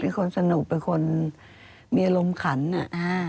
เป็นคนสนุกเป็นคนมีอารมณ์ขันอ่ะ